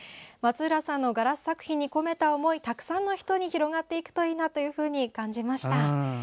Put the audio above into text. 松浦さんのガラス作品に込めた思い、たくさんの人に広がっていくといいなと感じました。